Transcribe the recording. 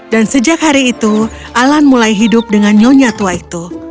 dan sejak hari itu alan mulai hidup dengan nyonya tua itu